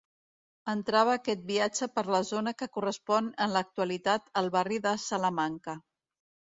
Entrava aquest viatge per la zona que correspon en l'actualitat al barri de Salamanca.